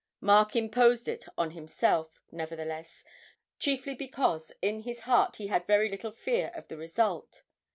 Mark imposed it on himself, nevertheless, chiefly because in his heart he had very little fear of the result.